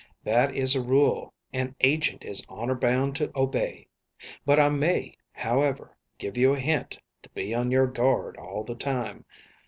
That is a rule an agent is honor bound to obey. But I may, however, give you a hint to be on your guard all the time.